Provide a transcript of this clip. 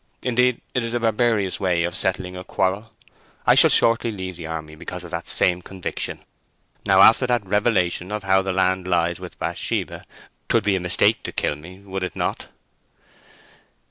Indeed it is a barbarous way of settling a quarrel. I shall shortly leave the army because of the same conviction. Now after that revelation of how the land lies with Bathsheba, 'twould be a mistake to kill me, would it not?"